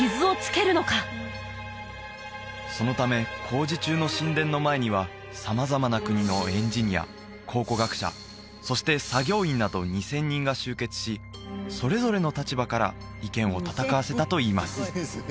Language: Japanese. そのため工事中の神殿の前には様々な国のエンジニア考古学者そして作業員など２０００人が集結しそれぞれの立場から意見を戦わせたといいます